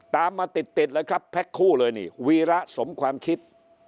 ตามมาติดติดเลยครับแพ็คคู่เลยนี่วีระสมความคิด